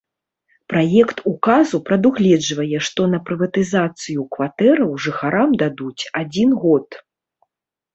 Праект указу прадугледжвае, што на прыватызацыю кватэраў жыхарам дадуць адзін год.